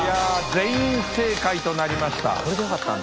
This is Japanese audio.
全員正解となりました。